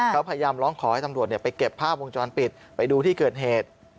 เขาพยายามร้องขอให้ตำรวจไปเก็บภาพวงจรปิดไปดูที่เกิดเหตุ